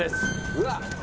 うわっ